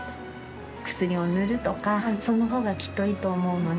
薬を塗るとかそのほうがきっといいと思うのね。